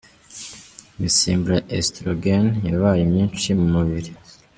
Imisemburo ya Estrogen yabaye myinshi mu mubiri.